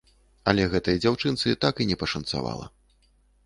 Але гэтай дзяўчынцы так не пашанцавала.